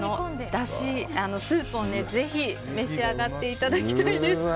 スープをぜひ召し上がっていただきたいです。